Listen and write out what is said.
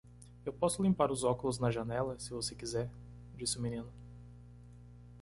"Eu posso limpar os óculos na janela? se você quiser?" disse o menino.